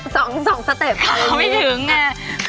๒สเตปอยู่นิดนึงยาวไม่ถึงเนี่ยค่ะ